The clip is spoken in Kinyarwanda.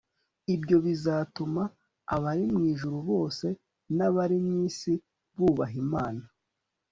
ibyo bizatuma abari mu ijuru bose n'abari mu isi bubaha imana